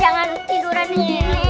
jangan tiduran ini